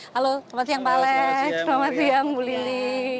halo selamat siang pak alex selamat siang bu lili